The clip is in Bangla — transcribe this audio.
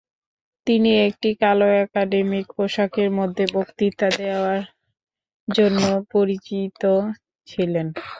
তিনি একটি কালো একাডেমিক পোশাকের মধ্যে বক্তৃতা দেওয়ার জন্য পরিচিত ছিলেন।